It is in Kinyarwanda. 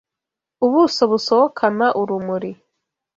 ubuso busohokana urumuri